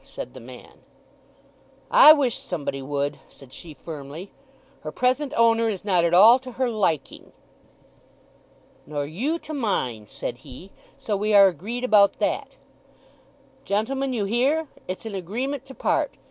said the man. "I wish somebody would," said she firmly. "Her present owner is not at all to her liking!" "Nor you to mine," said he. "So we are agreed about that. Gentlemen, you hear? It's an agreement to part.